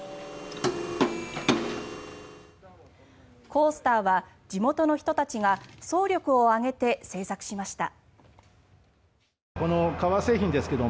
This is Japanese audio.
コースターは地元の人たちが総力を挙げて製作しました。